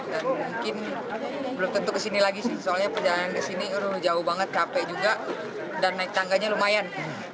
dan mungkin belum tentu kesini lagi sih soalnya perjalanan kesini jauh banget capek juga dan naik tangganya lumayan